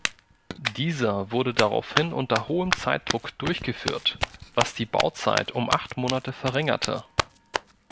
Dieser wurde daraufhin unter hohem Zeitdruck durchgeführt, was die Bauzeit um acht Monate verringerte.